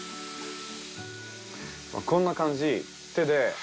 こんな感じ手で。